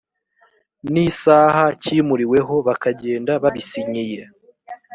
n isaha cyimuriweho bakagenda babisinyiye